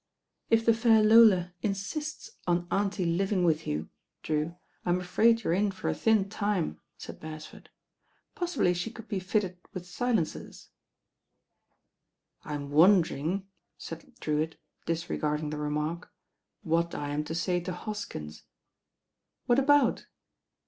"If the fair Lola insists on Auntie living with you, THE HEIRESS INDISPOSED Itl Drew, I'm afraid you are in for a thin time," said Beretford. "Powibly the could be fitted with li lencers." "I'm wondering," said Drewitt, disregarding the remark, "what I am to say to Hoskins?" "What about?"